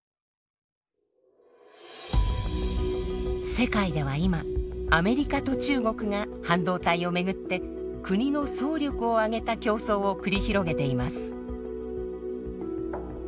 世界では今アメリカと中国が半導体を巡って国の総力を挙げた競争を繰り広げています。